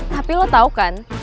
tapi lo tau kan